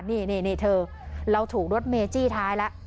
นี่เธอเราถูกรถเมจี้ท้ายแล้ว